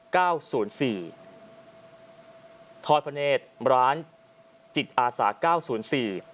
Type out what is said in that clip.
เก้าศูนย์สี่ทอดพระเนธร้านจิตอาสาเก้าศูนย์สี่